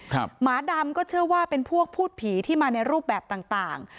หมาดำก็เชื่อว่าเป็นพวกพูดผีที่มาในรูปแบบต่างต่าง